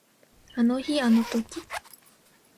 あの日あの時